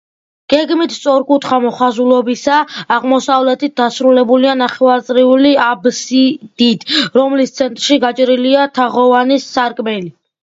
გეგმით სწორკუთხა მოხაზულობისაა, აღმოსავლეთით დასრულებულია ნახევარწრიული აბსიდით, რომლის ცენტრში გაჭრილია თაღოვანი სარკმელი.